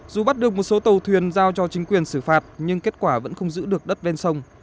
dù bắt được một số tàu thuyền giao cho chính quyền xử phạt nhưng kết quả vẫn không giữ được đất ven sông